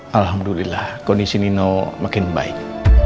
alhamdulillah kondisi nino makin baik